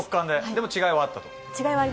でも違いはあったと？